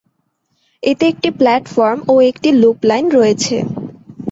এতে একটি প্ল্যাটফর্ম ও একটি লুপ লাইন রয়েছে।